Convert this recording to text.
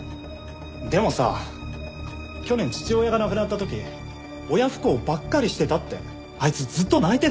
でもさ去年父親が亡くなった時親不孝ばっかりしてたってあいつずっと泣いてたんだ。